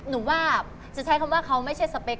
หนูว่าจะใช้คำว่าเขาไม่ใช่สเปค